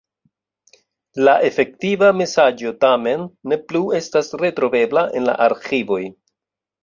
La efektiva mesaĝo tamen ne plu estas retrovebla en la arĥivoj.